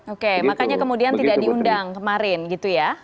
oke makanya kemudian tidak diundang kemarin gitu ya